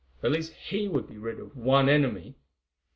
At least he would be rid of one enemy.